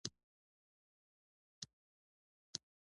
غوړې د زړه د فعالیت لپاره هم ګټورې دي.